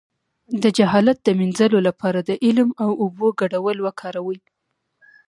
د جهالت د مینځلو لپاره د علم او اوبو ګډول وکاروئ